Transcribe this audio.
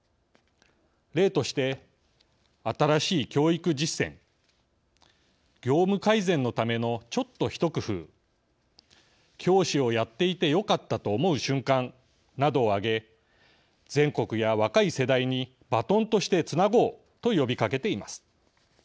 例として新しい教育実践業務改善のためのちょっと一工夫教師をやっていてよかったと思う瞬間などを挙げ全国や若い世代にバトンとしてつなごうと呼びかけています。